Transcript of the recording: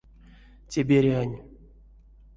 Те берянь.